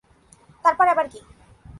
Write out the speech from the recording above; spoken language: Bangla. তার পরে আবার কী?